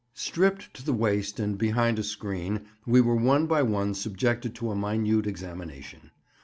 Stripped to the waist and behind a screen, we were one by one subjected to a minute examination.